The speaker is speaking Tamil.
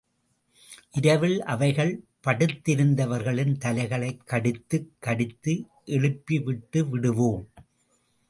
இரவில் அவைகள் படுத்திருந்தவர்களின் தலைகளைக் கடித்துக் கடித்து எழுப்பிவிட்டுவிடும்.